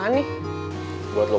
apakah kita harus berharap lagi